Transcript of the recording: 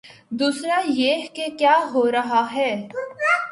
دوسرا یہ کہ کیا ہو رہا ہے۔